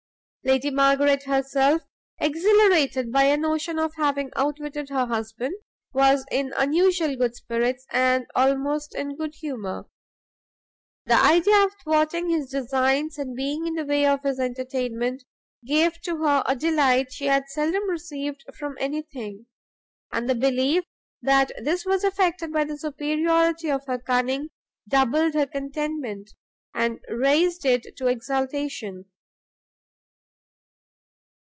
Lady Margaret herself, exhilarated by a notion of having outwitted her husband, was in unusual good spirits, and almost in good humour. The idea of thwarting his designs, and being in the way of his entertainment, gave to her a delight she had seldom received from any thing; and the belief that this was effected by the superiority of her cunning, doubled her contentment, and raised it to exultation.